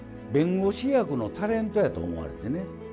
弁護士役のタレントやと思われてね。